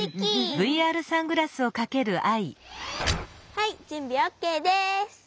はいじゅんびオッケーです。